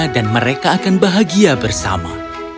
dan mereka akan bahagia bersama